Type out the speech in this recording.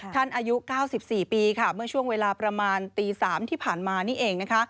อายุ๙๔ปีค่ะเมื่อช่วงเวลาประมาณตี๓ที่ผ่านมานี่เองนะคะ